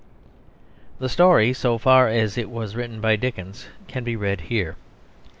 The story, so far as it was written by Dickens, can be read here.